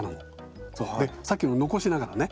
でさっきの残しながらね。